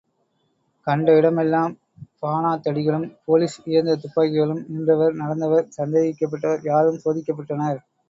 கண்ட இடமெல்லாம் பாணாத்தடிகளும் போலிஸ் இயந்திரத்துப்பாக்கிகளும் நின்றவர், நடந்தவர், சந்தேகிக்கப்பட்டவர், யாரும் சோதிக்கப்பட்டனர்.